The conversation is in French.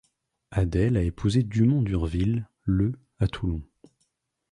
Adèle a épousé Dumont d'Urville, le à Toulon.